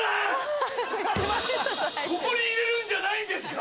ここに入れるんじゃないんですか？